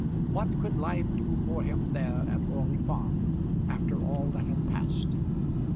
What could life do for him there at Orley Farm, after all that had passed?